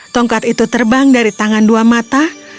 tongkat itu terbang dari tangan dua mata